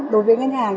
đối với ngân hàng